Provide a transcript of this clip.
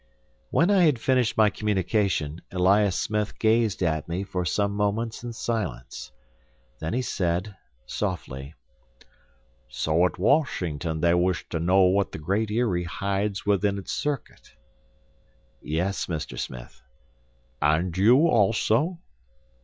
When I had finished my communication, Elias Smith gazed at me for some moments in silence. Then he said, softly, "So at Washington they wish to know what the Great Eyrie hides within its circuit?" "Yes, Mr. Smith." "And you, also?"